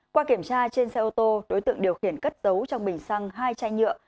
qua kiểm tra trên xe ô tô đối tượng điều khiển cất giấu trong bình xăng hai chai nhựa